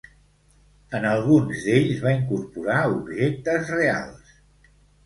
En alguns d'ells va incorporar objectes reals.